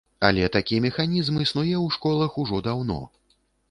Але такі механізм існуе ў школах ужо даўно.